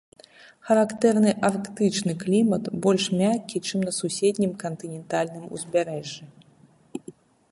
Характэрны арктычны клімат, больш мяккі, чым на суседнім кантынентальным узбярэжжы.